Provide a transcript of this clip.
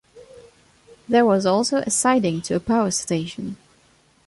There was also a siding to a power station.